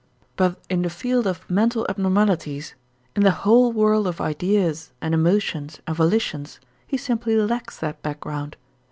But in the field of mental abnormities, in the whole world of ideas and emotions and volitions, he simply lacks that background.